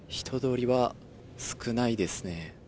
人通りは少ないですね。